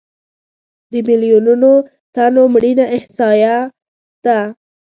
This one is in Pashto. د میلیونونو تنو مړینه احصایه ده.